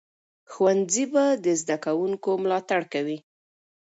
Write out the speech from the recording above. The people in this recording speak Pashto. ښوونځی به د زده کوونکو ملاتړ کوي.